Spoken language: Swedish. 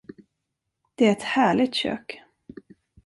Det är ett härligt kök.